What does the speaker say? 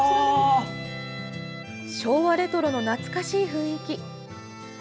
昭和レトロの懐かしい雰囲気。